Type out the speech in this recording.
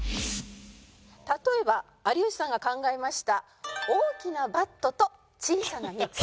例えば有吉さんが考えました「大きなバットと小さなミット」